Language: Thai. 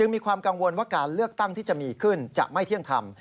มีความกังวลว่าการเลือกตั้งที่จะมีขึ้นจะไม่เที่ยงธรรม